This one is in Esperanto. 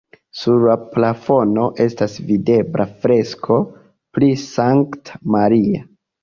Sur la plafono estas videbla fresko pri Sankta Maria.